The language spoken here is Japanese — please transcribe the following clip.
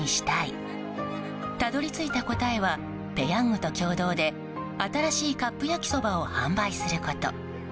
たどり着いた答えはペヤングと共同で新しいカップ焼きそばを販売すること。